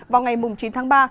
vào ngày chín tháng ba